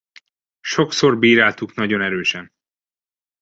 Sokszor bíráltuk nagyon erősen.